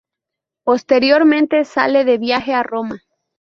Posteriormente, sale de viaje a Roma.